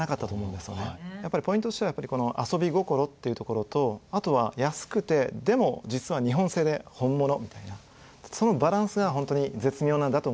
やっぱりポイントとしてはこの遊び心っていうところとあとは安くてでも実は日本製で本物みたいなそのバランスが本当に絶妙なんだと思います。